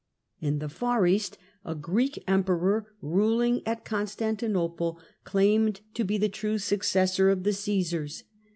In the far East, a Greek Emperor, ruling at Constantinople, claimed to be the true successor of tlie Caesars.